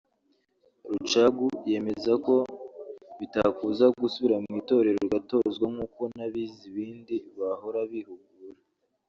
Rucagu yemeza ko bitakubuza gusubira mu itorero ugatozwa nkuko n’abize ibindi bahora bihugura